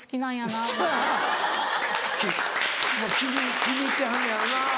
まぁ気に入ってはんのやろな。